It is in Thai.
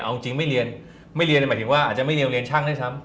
เอาจริงไม่เรียนไม่เรียนหมายถึงว่าอาจจะไม่เรียนเรียนช่างด้วยซ้ำ